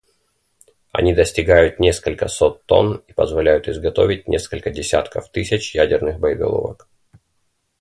Они достигают несколько сот тонн и позволяют изготовить несколько десятков тысяч ядерных боеголовок.